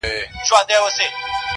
بختور یې چي مي ستونی لا خوږیږي؛